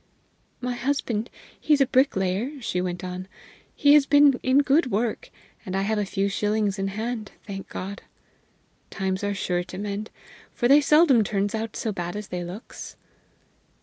"My husband he's a bricklayer," she went on; "he has been in good work, and I have a few shillings in hand, thank God! Times are sure to mend, for they seldom turns out so bad as they looks."